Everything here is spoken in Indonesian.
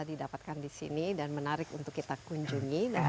didapatkan di sini dan menarik untuk kita kunjungi